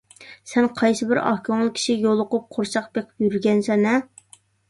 سەن قايسىبىر ئاق كۆڭۈل كىشىگە يولۇقۇپ، قورساق بېقىپ يۈرگەنسەن - ھە!